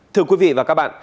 thưa quý vị và các bạn